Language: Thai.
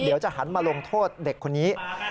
เดี๋ยวจะหันมาลงโทษเด็กคนนี้